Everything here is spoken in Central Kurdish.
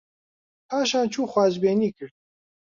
پاشان چوو خوازبێنی کرد